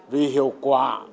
vì hiệu quả